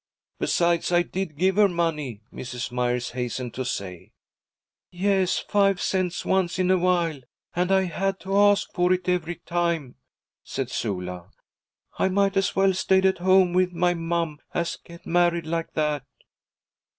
'Besides, I did give her money,' Mrs. Myers hastened to say. 'Yes; five cents once in a while, and I had to ask for it every time,' said Sula. 'I might as well stayed at home with my mom as get married like that.'